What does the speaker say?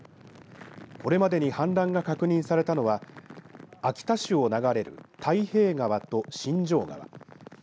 これまでに氾濫が確認されたのは秋田市を流れる太平川と新城川